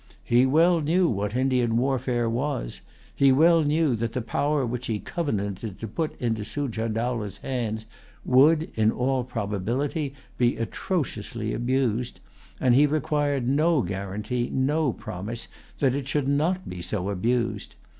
He well knew what Indian warfare was. He well knew that the power which he covenanted to put into Sujah Dowlah's hands would, in all probability, be atrociously abused; and he required no guarantee, no promise that it should not be so abused.